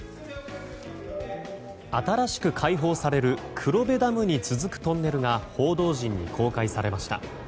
新しく開放される黒部ダムに続くトンネルが報道陣に公開されました。